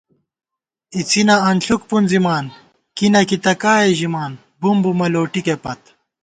اِڅِنہ انݪُک پُونزِمان، کی نہ کی تہ کائےژِمان بُم بُمہ لوٹِکےپت